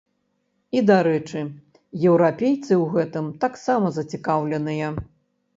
І, дарэчы, еўрапейцы ў гэтым таксама зацікаўленыя.